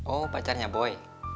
oh pacarnya boy